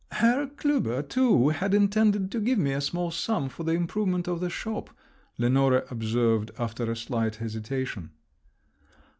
"Herr Klüber, too, had intended to give me a small sum for the improvement of the shop," Lenore observed after a slight hesitation.